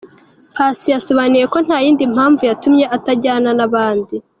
Paccy yasobanuye ko nta yindi mpamvu yatumye atajyana n'abandi.